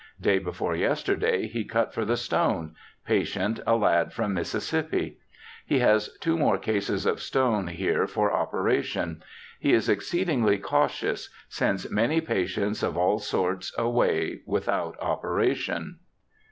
Day before yesterday he cut for the stone; patient a lad from Mississippi. He has two more cases of stone here for operation. He is exceedingly cautious ; sends man}' patients, of all sorts, away without operation.